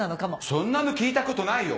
そんなの聞いたことないよ！